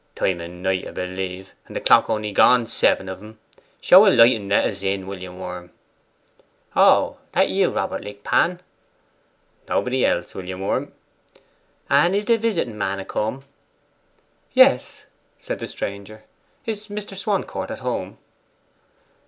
'Time o' night, 'a b'lieve! and the clock only gone seven of 'em. Show a light, and let us in, William Worm.' 'Oh, that you, Robert Lickpan?' 'Nobody else, William Worm.' 'And is the visiting man a come?' 'Yes,' said the stranger. 'Is Mr. Swancourt at home?